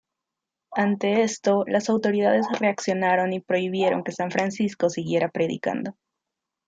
Ante esto, las autoridades reaccionaron y prohibieron que San Francisco siguiera predicando.